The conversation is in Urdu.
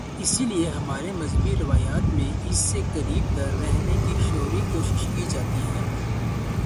اس لیے ہماری مذہبی روایت میں اس سے قریب تر رہنے کی شعوری کوشش کی جاتی ہے۔